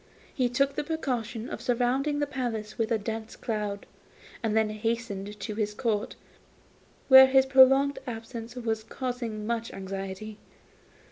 He took the precaution of surrounding the palace with a dense cloud, and then hastened to his Court, where his prolonged absence was causing much anxiety.